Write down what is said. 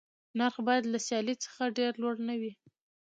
نرخ باید له سیالۍ څخه ډېر لوړ نه وي.